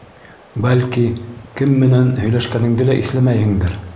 Бәлки, кем менән һөйләшкәнеңде лә иҫләмәйһеңдер?